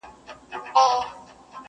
که ترخه شراب ګنا ده او حرام دي,